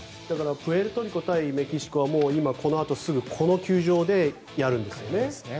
プエルトリコ対メキシコはこのあとすぐこの球場でやるんですよね。